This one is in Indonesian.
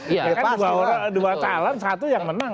iya kan dua calon satu yang menang